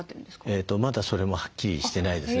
まだそれもはっきりしてないですね